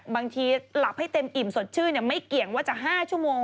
บางทีหลับให้เต็มอิ่มสดชื่นไม่เกี่ยงว่าจะ๕ชั่วโมง